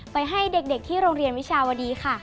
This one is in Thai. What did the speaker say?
ไปให้เด็กที่โรงเรียนวิชาวดีค่ะ